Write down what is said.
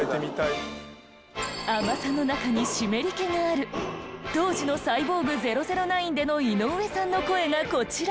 甘さの中に湿り気がある当時の『サイボーグ００９』での井上さんの声がこちら。